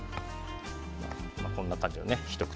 こんな感じのひと口